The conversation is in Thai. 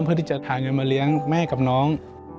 เพื่อที่จะหาเงินมาเลี้ยงแม่กับน้อง